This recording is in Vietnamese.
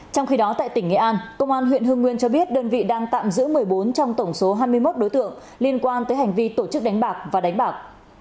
trong khi đó tại tỉnh nghệ an công an huyện hưng nguyên cho biết đơn vị đang tạm giữ một mươi bốn trong tổng số hai mươi một đối tượng liên quan tới hành vi tổ chức đánh bạc và đánh bạc